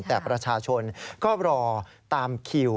แต่ประชาชนก็รอตามคิว